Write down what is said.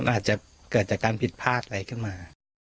อาจจะเกิดจากการผิดพลาดอะไรขึ้นมา